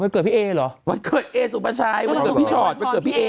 เกิดพี่เอเหรอวันเกิดเอสุปชัยวันเกิดพี่ชอตวันเกิดพี่เอ